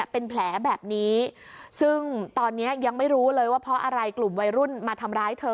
เป็นแผลแบบนี้ซึ่งตอนนี้ยังไม่รู้เลยว่าเพราะอะไรกลุ่มวัยรุ่นมาทำร้ายเธอ